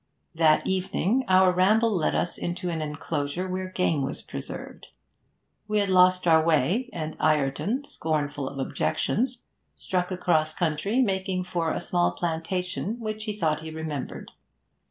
That evening our ramble led us into an enclosure where game was preserved. We had lost our way, and Ireton, scornful of objections, struck across country, making for a small plantation which he thought he remembered.